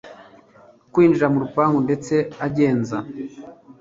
kwinjira murupangu ndetse agenza